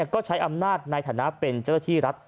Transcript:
ก็ใช้อำนาจในฐานะเป็นเจ้าหน้าที่รัฐ